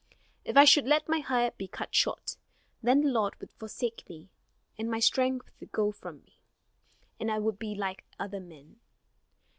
If I should let my hair be cut short, then the Lord would forsake me, and my strength would go from me, and I would be like other men."